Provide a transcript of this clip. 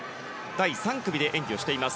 第３組で演技をしています。